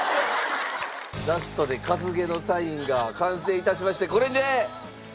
ラストで「かずげ」のサインが完成致しましてこれで一茂さん。